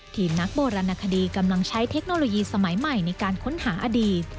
ทีมนักโบราณคดีกำลังใช้เทคโนโลยีสมัยใหม่ในการค้นหาอดีต